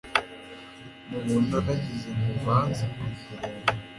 mubona nagize ngo mbanze